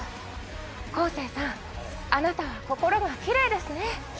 昴生さんあなたは心がきれいですね